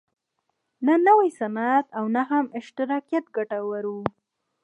نه نوی صنعت او نه هم اشتراکیت ګټور و.